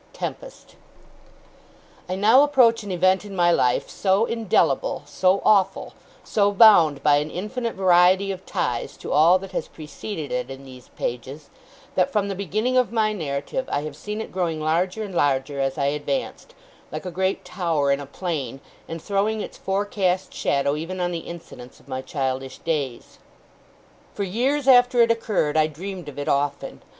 TEMPEST I now approach an event in my life, so indelible, so awful, so bound by an infinite variety of ties to all that has preceded it, in these pages, that, from the beginning of my narrative, I have seen it growing larger and larger as I advanced, like a great tower in a plain, and throwing its fore cast shadow even on the incidents of my childish days. For years after it occurred, I dreamed of it often.